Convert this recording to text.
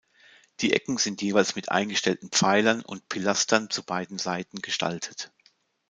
Die Ecken sind jeweils mit eingestellten Pfeilern und Pilastern zu beiden Seiten gestaltet.